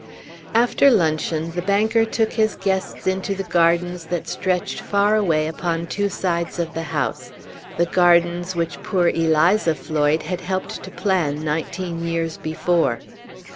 After luncheon, the banker took his guests into the gardens that stretched far away upon two sides of the house the gardens which poor Eliza Floyd had helped to plan nineteen years before.